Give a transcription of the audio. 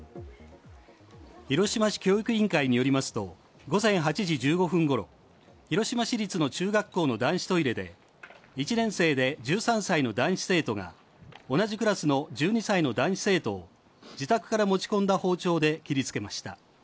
広島市教育委員会によりますと午前８時１５分ごろ、広島市立の中学校の男子トイレで、１年生で１３歳の男子生徒が同じクラスの１２歳の男子生徒を自宅から持ち込んだ包丁で切りつけました。